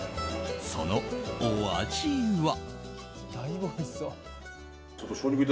そのお味は。